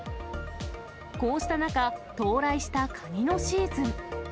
こうした中、到来したカニのシーズン。